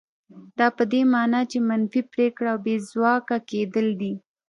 دا په دې مانا چې منفي پرېکړه او بې ځواکه کېدل دي.